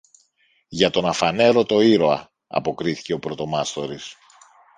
Για τον Αφανέρωτο Ήρωα, αποκρίθηκε ο πρωτομάστορης.